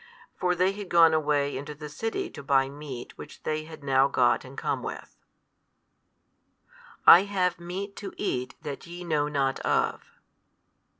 For they had gone away into the city to buy meat which they had now got and come with. I have meat to eat that YE know not of.